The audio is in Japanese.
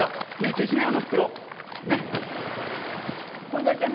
手品用の袋ね。